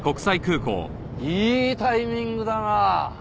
いいタイミングだなあ。